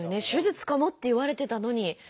「手術かも」って言われてたのに。